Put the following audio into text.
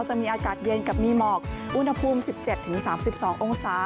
จะมีอากาศเย็นกับมีหมอกอุณหภูมิสิบเจ็ดถึงสามสิบสององศา